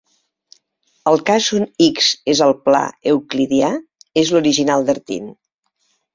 El cas on "X" és el pla euclidià és l'original d'Artin.